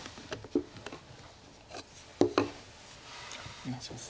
お願いします。